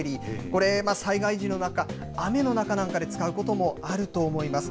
これ、災害時の中、雨の中なんかで使うこともあると思います。